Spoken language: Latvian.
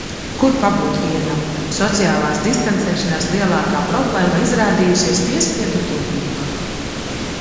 Kur pabūt vienam. Sociālās distancēšanās lielākā problēma izrādījusies piespiedu tuvība.